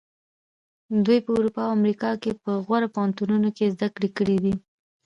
دوی په اروپا او امریکا کې په غوره پوهنتونونو کې زده کړې کړې دي.